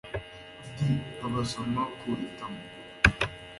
d Babasoma ku itama